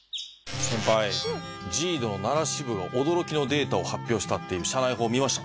先輩ＪＩＤＯの奈良支部が驚きのデータを発表したっていう社内報見ました？